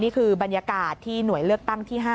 นี่คือบรรยากาศที่หน่วยเลือกตั้งที่๕